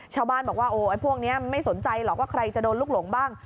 ชาวบ้านบอกว่าโอ้ไอ้พวกนี้ไม่สนใจหรอกว่าใครจะโดนลูกหลงบ้าง